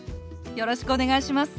よろしくお願いします。